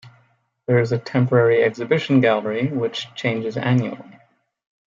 There is a temporary exhibition gallery which changes annually.